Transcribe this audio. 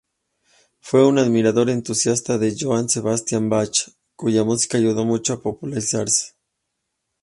Fue un admirador entusiasta de Johann Sebastian Bach, cuya música ayudó mucho a popularizar.